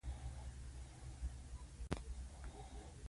د امپراتورۍ پرمهال له موږ سره مثالونه شته.